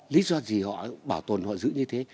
lý do gì họ bảo tồn họ giữ như thế